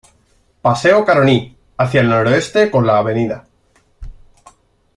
Paseo Caroní, hacia el noreste con la Av.